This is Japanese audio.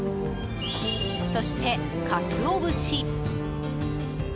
そして、カツオ節。